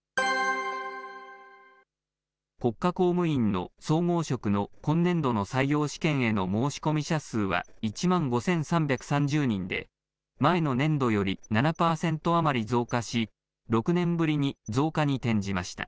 国家公務員の総合職の今年度の採用試験への申し込み者数は１万５３３０人で、前の年度より７％余り増加し、６年ぶりに増加に転じました。